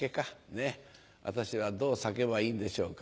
ねっ私はどう咲けばいいんでしょうか？